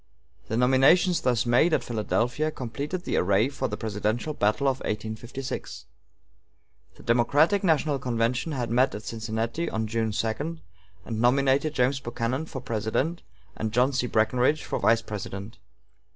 The nominations thus made at Philadelphia completed the array for the presidential battle of 1856. The Democratic national convention had met at Cincinnati on June 2, and nominated James Buchanan for President and John C. Breckinridge for Vice President.